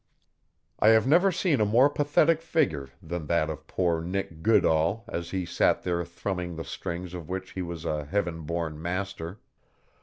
I have never seen a more pathetic figure than that of poor Nick Goodall as he sat there thrumming the strings of which he was a Heaven born master.